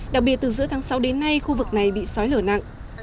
đặc biệt từ giữa tháng sáu đến nay khu vực này bị sói lở nặng